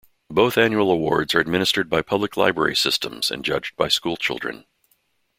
Both annual awards are administered by public library systems and judged by schoolchildren.